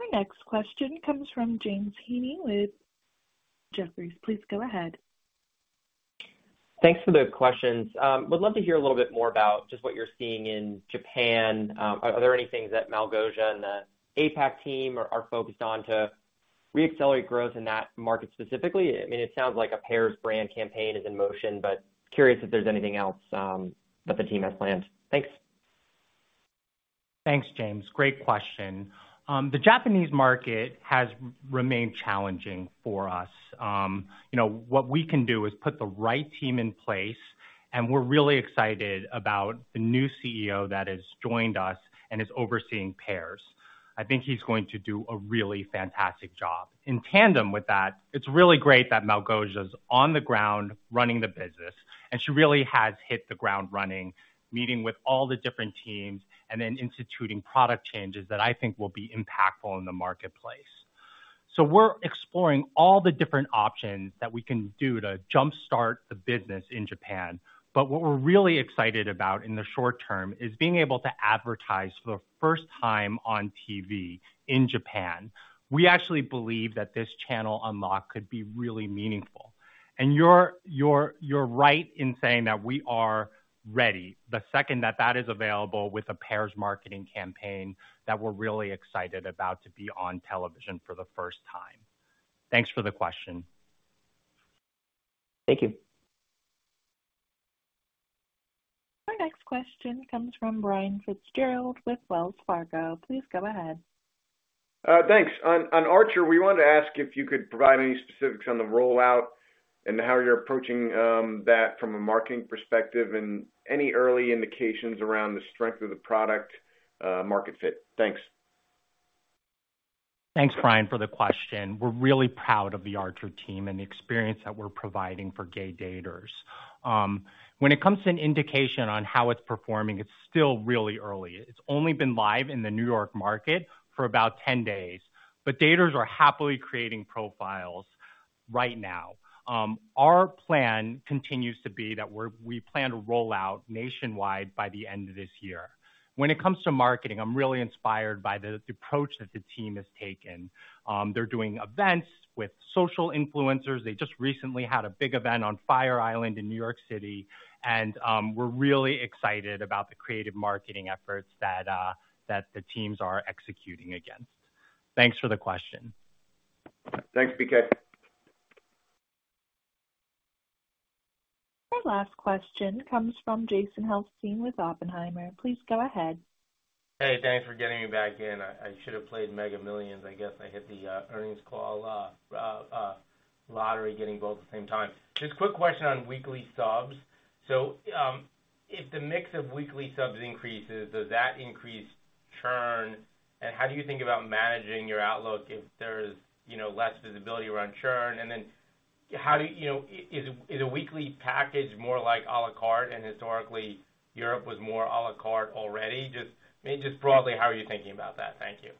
Our next question comes from James Heaney with Jefferies. Please go ahead. Thanks for the questions. Would love to hear a little bit more about just what you're seeing in Japan. Are there any things that Malgosia and the APAC team are focused on to reaccelerate growth in that market specifically? I mean, it sounds like a Pairs brand campaign is in motion, but curious if there's anything else that the team has planned. Thanks. Thanks, James. Great question. The Japanese market has remained challenging for us. You know, what we can do is put the right team in place, and we're really excited about the new CEO that has joined us and is overseeing Pairs. I think he's going to do a really fantastic job. In tandem with that, it's really great that Malgosia's on the ground running the business, and she really has hit the ground running, meeting with all the different teams and then instituting product changes that I think will be impactful in the marketplace. We're exploring all the different options that we can do to jumpstart the business in Japan. What we're really excited about in the short term is being able to advertise for the first time on TV in Japan. We actually believe that this channel unlock could be really meaningful. You're, you're, you're right in saying that we are ready the second that that is available with a Pairs marketing campaign that we're really excited about to be on television for the first time. Thanks for the question. Thank you. Our next question comes from Brian Fitzgerald with Wells Fargo. Please go ahead. Thanks. On, on Archer, we wanted to ask if you could provide any specifics on the rollout and how you're approaching, that from a marketing perspective, and any early indications around the strength of the product, market fit. Thanks. Thanks, Brian, for the question. We're really proud of the Archer team and the experience that we're providing for gay daters. When it comes to an indication on how it's performing, it's still really early. It's only been live in the New York market for about 10 days, but daters are happily creating profiles right now. Our plan continues to be that we plan to roll out nationwide by the end of this year. When it comes to marketing, I'm really inspired by the, the approach that the team has taken. They're doing events with social influencers. They just recently had a big event on Fire Island in New York City, and we're really excited about the creative marketing efforts that the teams are executing against. Thanks for the question. Thanks, PK. Our last question comes from Jason Helfstein with Oppenheimer. Please go ahead. Hey, thanks for getting me back in. I should have played Mega Millions. I guess I hit the earnings call lottery, getting both at the same time. Just quick question on weekly subs. If the mix of weekly subs increases, does that increase churn? How do you think about managing your outlook if there's, you know, less visibility around churn? Then how do you know... Is a weekly package more like, à la carte and historically Europe was more à la carte already? Just, I mean, just broadly, how are you thinking about that? Thank you.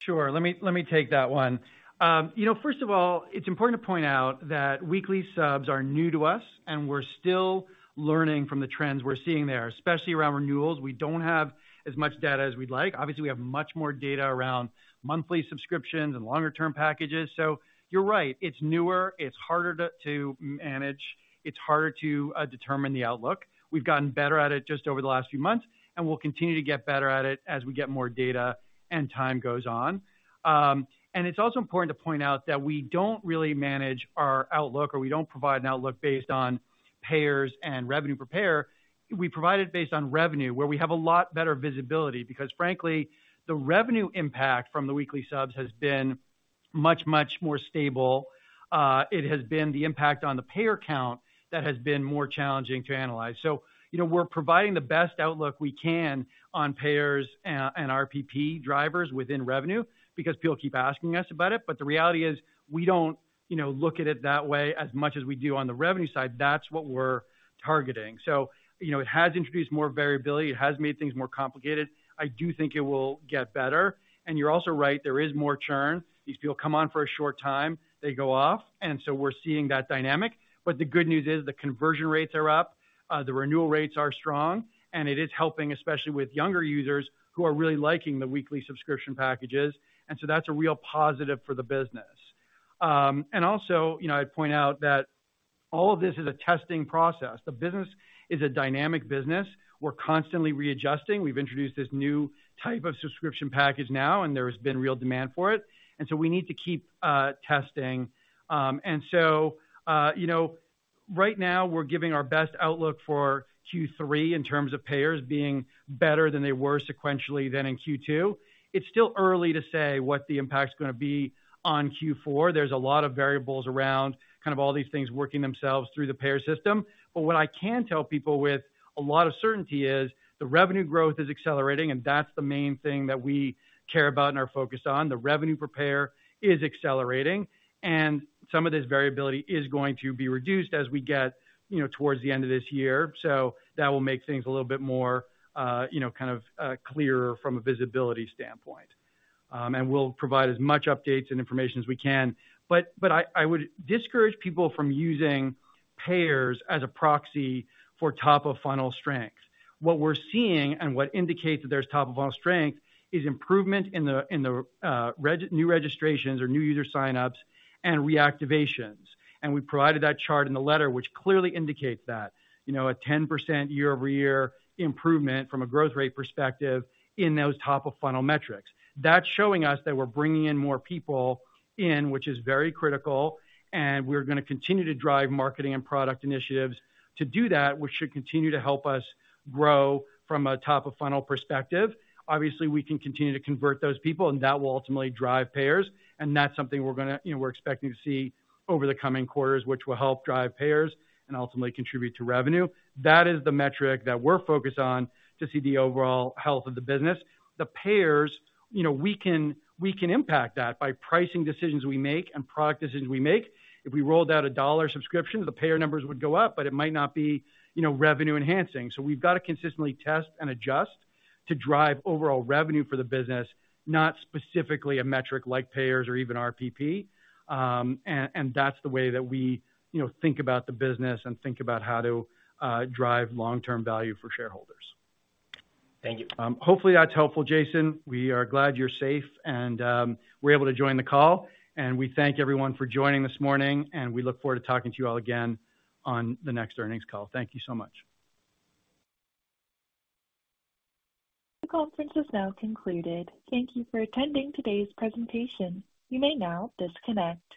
Sure. Let me, let me take that one. You know, first of all, it's important to point out that weekly subs are new to us, and we're still learning from the trends we're seeing there, especially around renewals. We don't have as much data as we'd like. Obviously, we have much more data around monthly subscriptions and longer-term packages. So you're right, it's newer, it's harder to, to manage, it's harder to, determine the outlook. We've gotten better at it just over the last few months, and we'll continue to get better at it as we get more data and time goes on. And it's also important to point out that we don't really manage our outlook, or we don't provide an outlook based on payers and revenue per payer. We provide it based on revenue, where we have a lot better visibility, because frankly, the revenue impact from the weekly subs has been much, much more stable. It has been the impact on the payer count that has been more challenging to analyze. You know, we're providing the best outlook we can on payers and, and RPP drivers within revenue because people keep asking us about it, but the reality is, we don't, you know, look at it that way as much as we do on the revenue side. That's what we're targeting. You know, it has introduced more variability. It has made things more complicated. I do think it will get better. You're also right, there is more churn. These people come on for a short time, they go off, and so we're seeing that dynamic. The good news is the conversion rates are up, the renewal rates are strong, and it is helping, especially with younger users who are really liking the weekly subscription packages. That's a real positive for the business. You know, I'd point out that all of this is a testing process. The business is a dynamic business. We're constantly readjusting. We've introduced this new type of subscription package now, and there has been real demand for it, and so we need to keep testing. You know, right now we're giving our best outlook for Q3 in terms of payers being better than they were sequentially than in Q2. It's still early to say what the impact is going to be on Q4. There's a lot of variables around, kind of all these things working themselves through the payer system. What I can tell people with a lot of certainty is, the revenue growth is accelerating, and that's the main thing that we care about and are focused on. The revenue per payer is accelerating, and some of this variability is going to be reduced as we get, you know, towards the end of this year. That will make things a little bit more, you know, kind of clearer from a visibility standpoint. And we'll provide as much updates and information as we can. But I, I would discourage people from using payers as a proxy for top-of-funnel strength. What we're seeing and what indicates that there's top-of-funnel strength is improvement in the, in the new registrations or new user signups and reactivations. We provided that chart in the letter, which clearly indicates that, you know, a 10% year-over-year improvement from a growth rate perspective in those top-of-funnel metrics. That's showing us that we're bringing in more people in, which is very critical, and we're going to continue to drive marketing and product initiatives. To do that, which should continue to help us grow from a top-of-funnel perspective. Obviously, we can continue to convert those people, and that will ultimately drive payers, and that's something we're going to, you know, we're expecting to see over the coming quarters, which will help drive payers and ultimately contribute to revenue. That is the metric that we're focused on to see the overall health of the business. The payers, you know, we can, we can impact that by pricing decisions we make and product decisions we make. If we rolled out a $1 subscription, the payer numbers would go up, but it might not be, you know, revenue enhancing. We've got to consistently test and adjust to drive overall revenue for the business, not specifically a metric like payers or even RPP. That's the way that we, you know, think about the business and think about how to drive long-term value for shareholders. Thank you. Hopefully, that's helpful, Jason. We are glad you're safe and, we're able to join the call, and we thank everyone for joining this morning, and we look forward to talking to you all again on the next earnings call. Thank you so much. The conference is now concluded. Thank you for attending today's presentation. You may now disconnect.